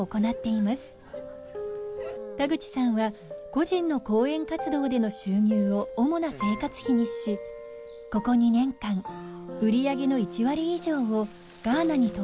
田口さんは個人の講演活動での収入を主な生活費にしここ２年間売り上げの１割以上をガーナに投じてきました。